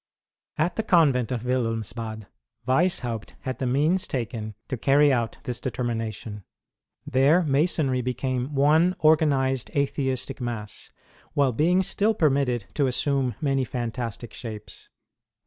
At the convent of Wilhelmsbad, Weishaupt had the means taken to carry out this determination. There Masonry became one organized Atheistic mass, while being still permitted to assume many flmtastic shapes.